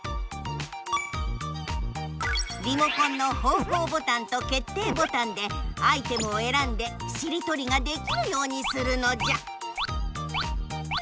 リモコンの方向ボタンと決定ボタンでアイテムをえらんでしりとりができるようにするのじゃ！